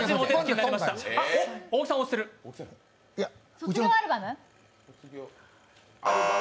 「卒業アルバム」？